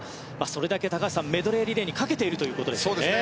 それだけ、高橋さんメドレーリレーにかけているということですね。